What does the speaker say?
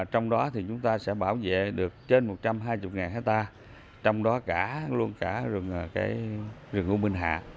trong đó thì chúng ta sẽ bảo vệ được trên một trăm hai mươi hectare trong đó cả luôn cả rừng u minh hạ